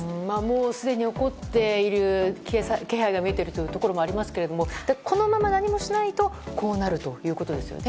すでに起こっている気配が見えているところもありますがこのまま何もしないとこうなるということですよね。